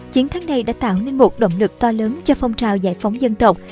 chiến thắng này đã tạo nên một động lực to lớn cho phong trào giải phóng dân tộc